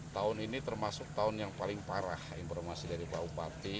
tahun ini termasuk tahun yang paling parah informasi dari pak bupati